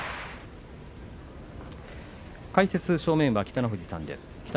解説、正面は北の富士さんです。